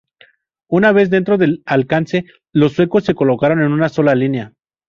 Una vez dentro del alcance, los suecos se colocaron en una sola línea.